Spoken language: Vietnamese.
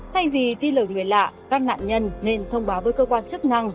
thay vì tin lời người lạ các nạn nhân nên thông báo với cơ quan chức năng